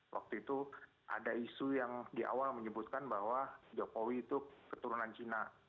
waktu itu ada isu yang di awal menyebutkan bahwa jokowi itu keturunan cina